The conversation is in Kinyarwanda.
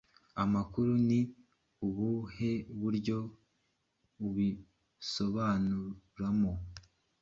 amakuru Ni ubuhe buryo, ubiobanuramo